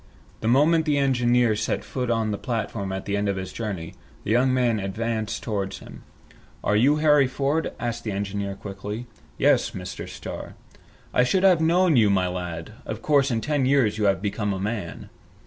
The moment the engineer set foot on the platform at the end of his journey, the young man advanced towards him. "Are you Harry Ford?" asked the engineer quickly. "Yes, Mr. Starr." "I should not have known you, my lad. Of course in ten years you have become a man!"